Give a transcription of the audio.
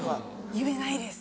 言えないです。